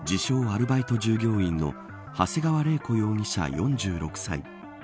アルバイト従業員の長谷川玲子容疑者、４６歳。